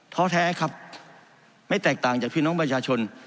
ท้อแท้ครับไม่แตกต่างจากพี่น้องประชาชน